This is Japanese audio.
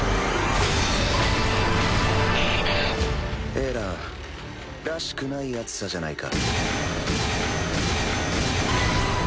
エランらしくない熱さじゃないか。